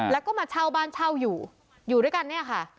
แล้วก็มาเช่าบ้านเช่าอยู่อยู่ด้วยกันเนี่ยค่ะ